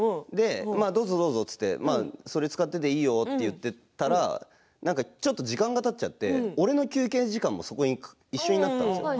どうぞどうぞと言ってそれを使っていていいよと言っていたらちょっと時間がたってしまって俺の休憩時間も一緒になったんですよ。